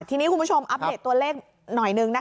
ทีนี้คุณผู้ชมอัปเดตตัวเลขหน่อยนึงนะคะ